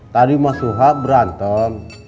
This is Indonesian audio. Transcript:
tadi mas suha berantem